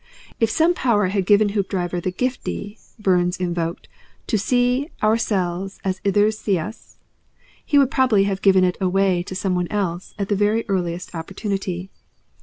If some power had given Hoopdriver the 'giftie' Burns invoked, 'to see oursels as ithers see us,' he would probably have given it away to some one else at the very earliest opportunity.